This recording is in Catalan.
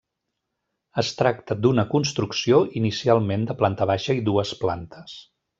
Es tracta d'una construcció inicialment de planta baixa i dues plantes.